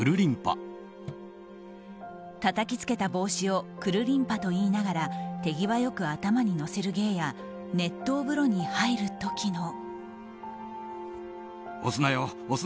たたきつけた帽子をくるりんぱと言いながら手際良く頭に乗せる芸や熱湯風呂に入る時の。